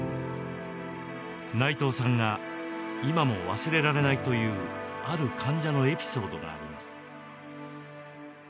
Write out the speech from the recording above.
内藤さんが今も忘れられないというある患者のエピソードがあります。